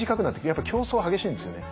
やっぱ競争が激しいんですよね。